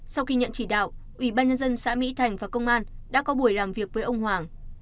sau khi nhận chỉ đạo ủy ban nhân dân xã mỹ thành và công an đã có buổi làm việc với ông hoàng